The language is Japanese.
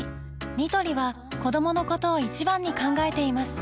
ニトリは子どものことを一番に考えています